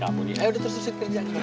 ayuh terus terusin kerja